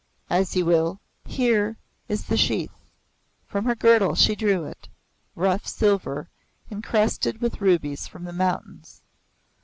"As you will. Here is the sheath." From her girdle she drew it rough silver, encrusted with rubies from the mountains.